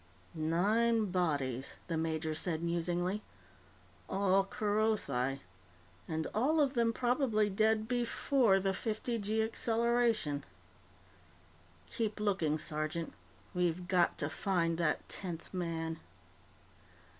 "Nine bodies," the major said musingly. "All Kerothi. And all of them probably dead before the fifty gee acceleration. Keep looking, sergeant. We've got to find the tenth man."